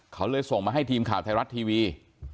เขาเลยส่งมาให้ทีมข่าวไทยรัฐทีวี